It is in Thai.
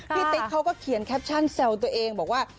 ติ๊กเขาก็เขียนแคปชั่นแซวตัวเองบอกว่า